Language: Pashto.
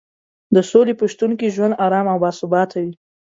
د سولې په شتون کې ژوند ارام او باثباته وي.